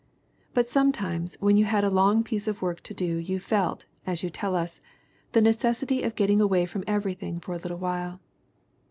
But sometimes when you had a long piece of work to do you felt, as you tell us, "the necessity of getting away from everything for a little while."